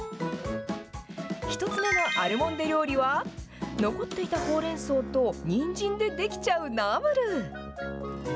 １つ目のアルモンデ料理は、残っていたほうれんそうとにんじんで出来ちゃうナムル。